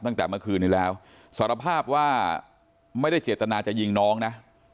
ตั้งแต่เมื่อคืนนี้แล้วสารภาพว่าไม่ได้เจตนาจะยิงน้องนะ